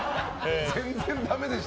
全然ダメでした。